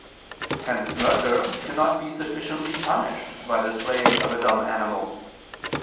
Hence murder cannot be sufficiently punished by the slaying of a dumb animal.